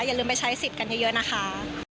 อย่าลืมไปใช้สิทธิ์กันเยอะนะคะ